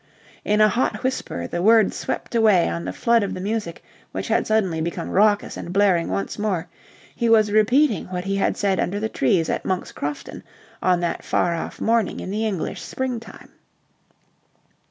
In a hot whisper, the words swept away on the flood of the music which had suddenly become raucous and blaring once more, he was repeating what he had said under the trees at Monk's Crofton on that far off morning in the English springtime.